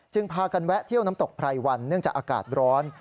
พากันแวะเที่ยวน้ำตกไพรวันเนื่องจากอากาศร้อน